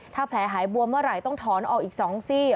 ถ้าแผลหายบวมเมื่อไหร่ต้องถอนออกอีก๒ซี่